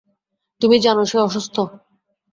তুমি জানো সে অসুস্থ।